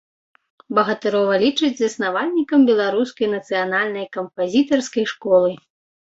Багатырова лічаць заснавальнікам беларускай нацыянальнай кампазітарскай школы.